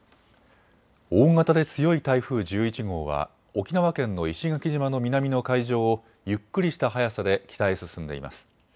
大型で強い台風１１号は沖縄県の石垣島の南の海上をゆっくりした速さで北へ進んでいます。